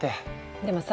でもさ。